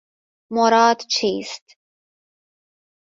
مراد چیست